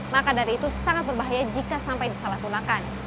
maka dari itu sangat berbahaya jika sampai disalahgunakan